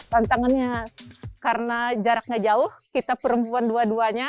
tantangannya karena jaraknya jauh kita perempuan dua duanya